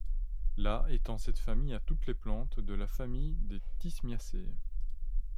La étend cette famille à toutes les plantes de la famille des Thismiacées.